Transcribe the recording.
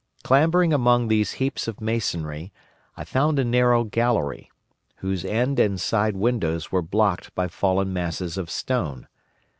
Clambering among these heaps of masonry, I found a narrow gallery, whose end and side windows were blocked by fallen masses of stone.